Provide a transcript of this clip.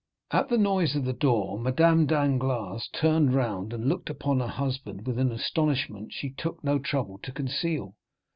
At the noise of the door Madame Danglars turned round, and looked upon her husband with an astonishment she took no trouble to conceal.